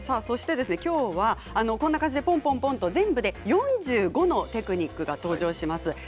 きょうは、こんな感じでポンポンと全部で４５のテクニックが登場します。